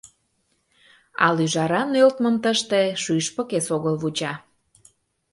Ал ӱжара нӧлтмым тыште Шӱшпык эсогыл вуча.